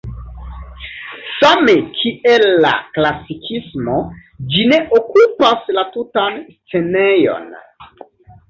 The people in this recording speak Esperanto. Same kiel la klasikismo ĝi ne okupas la tutan scenejon.